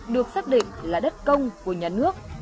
được xác định là đất công của nhà nước